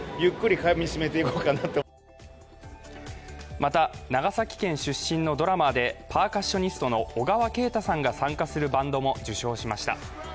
また、長崎県出身のドラマーでパーカッショニストの小川慶太さんが参加するバンドも受賞しました。